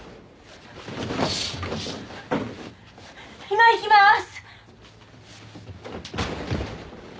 今行きまーす